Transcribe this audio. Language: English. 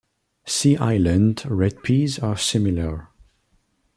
Sea Island red peas are similar.